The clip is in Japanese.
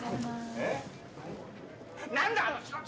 えっ？